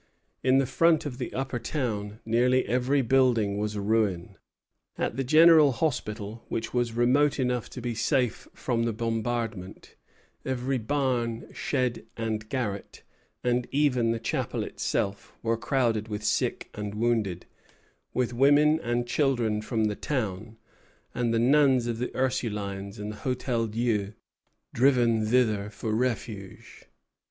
In the front of the Upper Town nearly every building was a ruin. At the General Hospital, which was remote enough to be safe from the bombardment, every barn, shed, and garret, and even the chapel itself, were crowded with sick and wounded, with women and children from the town, and the nuns of the Ursulines and the Hôtel Dieu, driven thither for refuge.